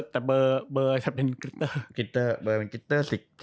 แต่เบอร์จะเป็นกริตเตอร์